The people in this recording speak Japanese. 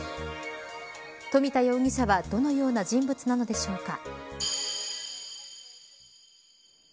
富田容疑者はどのような人物なのでしょうか。